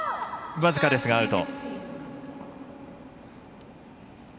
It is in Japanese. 僅かですがアウト。